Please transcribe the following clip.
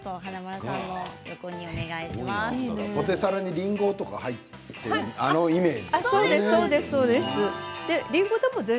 ポテサラにりんごとか入ってるあのイメージ？